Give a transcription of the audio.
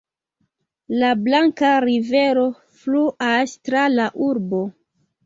La Blanka Rivero fluas tra la urbo.